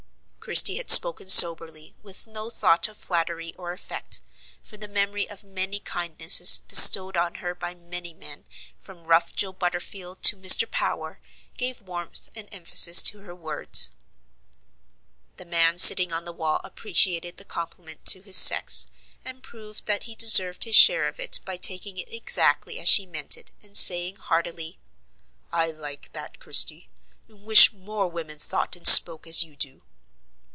Christie had spoken soberly, with no thought of flattery or effect; for the memory of many kindnesses bestowed on her by many men, from rough Joe Butterfield to Mr. Power, gave warmth and emphasis to her words. The man sitting on the wall appreciated the compliment to his sex, and proved that he deserved his share of it by taking it exactly as she meant it, and saying heartily: "I like that, Christie, and wish more women thought and spoke as you do."